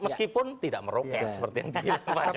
sby pun tidak meroket seperti yang dilihat pak jokowi